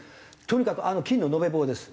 とにかくあの金の延べ棒です。